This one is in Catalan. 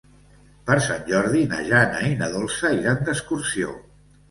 Per Sant Jordi na Jana i na Dolça iran d'excursió.